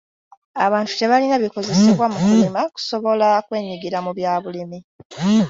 Abantu tebalina bikozesebwa mu kulima kusobola kwenyigira mu bya bulimi.